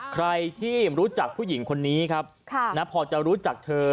ใครที่รู้จักผู้หญิงคนนี้ครับพอจะรู้จักเธอ